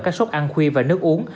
các chốt ăn khuya và nước uống